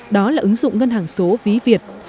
đó là ứng dụng ngân hàng số ví việt